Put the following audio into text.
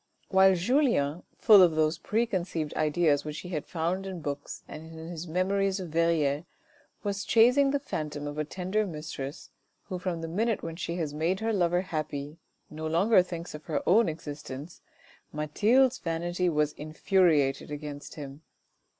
While Julien, full of those preconceived ideas which he had found in books and in his memories of Verrieres, was chasing the phantom of a tender mistress, who from the minute when she has made her lover happy no longer thinks of her own existence, Mathilde's vanity was infuriated against him.